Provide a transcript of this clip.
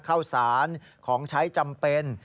ข้าวสารของใช้จำเป็น